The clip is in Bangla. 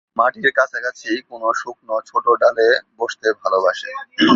মাটির কাছাকাছি কোন শুকনো ছোট ডালে বসতে ভালোবাসে।